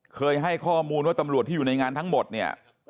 เคยให้ข้อมูลว่าตำรวจที่อยู่ในงานทั้งหมดเนี่ย